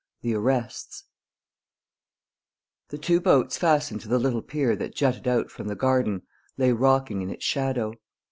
THE ARRESTS The two boats fastened to the little pier that jutted out from the garden lay rocking in its shadow.